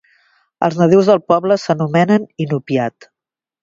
Els nadius del poble s'anomenen inupiat.